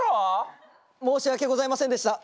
申し訳ございませんでした。